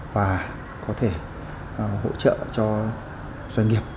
và có thể hỗ trợ cho doanh nghiệp